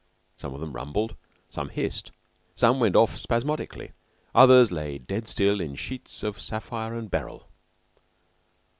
Some of them rumbled, some hissed, some went off spasmodically, and others lay dead still in sheets of sapphire and beryl.